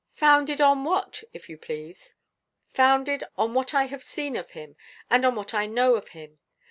"Founded on what, if you please?" "Founded on what I have seen of him, and on what I know of him.